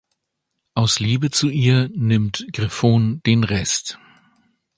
Aus Liebe zu ihr nimmt Grifone den Rest.